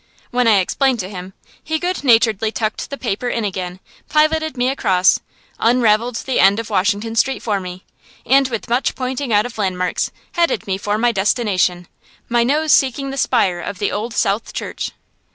When I explained to him, he good naturedly tucked the paper in again, piloted me across, unravelled the end of Washington Street for me, and with much pointing out of landmarks, headed me for my destination, my nose seeking the spire of the Old South Church.